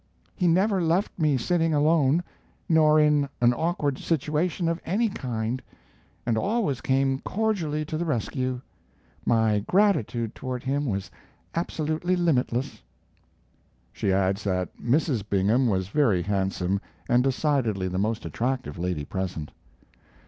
"He never left me sitting alone, nor in an awkward situation of any kind, but always came cordially to the rescue. My gratitude toward him was absolutely limitless." She adds that Mrs. Bingham was very handsome and decidedly the most attractive lady present.